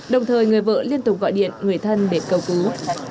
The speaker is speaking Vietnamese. đồng thời người vợ liên tục gọi điện người thân để cầu cứu